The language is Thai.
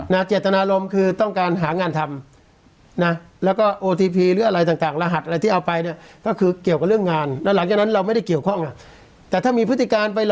นาจิตรนารมณ์คือต้องการหางานทำนะ